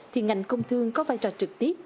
thì ngành công thương có vai trò trực tiếp